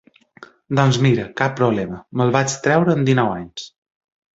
Doncs mira, cap problema, me'l vaig treure amb dinou anys.